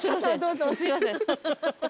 傘どうぞ。